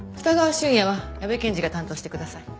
瞬也は矢部検事が担当してください。